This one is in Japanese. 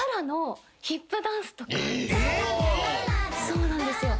そうなんですよ。